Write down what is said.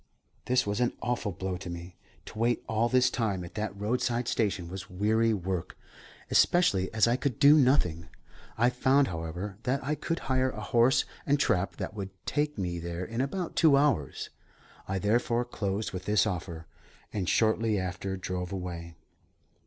This was an awful blow to me. To wait all this time at that roadside station was weary work, especially as I could do nothing. I found, however, that I could hire a horse and trap that would take me there in about two hours. I therefore closed with this offer, and shortly after drove away.